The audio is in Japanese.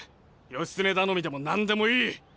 義経頼みでも何でもいい！